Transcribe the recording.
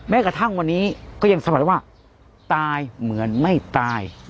แม้กระทั่งวันนี้ก็ยังสามารถว่าตายเหมือนไม่ตาย